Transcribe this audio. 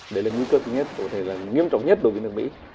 đấy là nguy cơ thứ nhất có thể là nghiêm trọng nhất đối với nước mỹ